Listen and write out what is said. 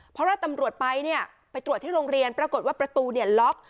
เพราะว่าตำรวจไปเนี่ยไปตรวจที่โรงเรียนปรากฏว่าประตูเนี่ยล็อก